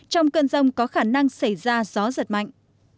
trong cơn rông có khả năng xảy ra gió giật mạnh